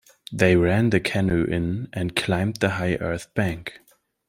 They ran the canoe in and climbed the high earth bank.